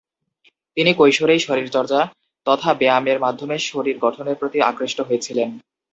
তিনি কৈশোরেই শরীরচর্চা তথা ব্যায়ামের মাধ্যমে শরীর গঠনের প্রতি আকৃষ্ট হয়েছিলেন।